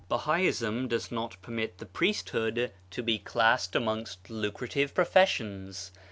Bahaism does not permit the priesthood to be classed amongst lucrative pro fessions.